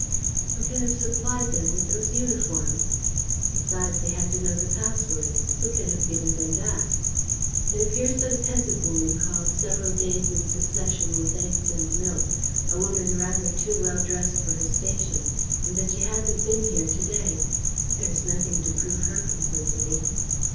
"Who can have supplied them with those uniforms? Besides, they had to know the password: who can have given them that? "It appears that a peasant woman called several days in succession with eggs and milk, a woman rather too well dressed for her station, and that she hasn't been here to day. But there is nothing to prove her complicity.